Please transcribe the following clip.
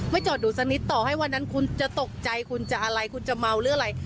จอดดูสักนิดต่อให้วันนั้นคุณจะตกใจคุณจะอะไรคุณจะเมาหรืออะไร